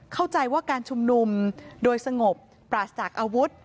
เข้าใจว่าการชุมนุมโดยสงบปราศจากอาวุธ